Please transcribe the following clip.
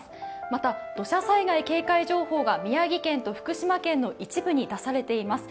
また土砂災害警戒情報が宮城県と福島県の一部に出されています。